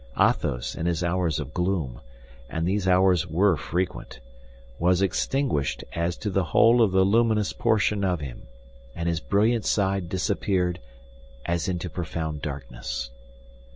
Athos, in his hours of gloom—and these hours were frequent—was extinguished as to the whole of the luminous portion of him, and his brilliant side disappeared as into profound darkness.